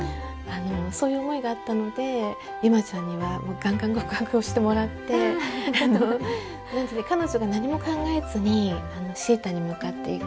そういう思いがあったので由舞ちゃんにはガンガン告白をしてもらって彼女が何も考えずに椎太に向かっていく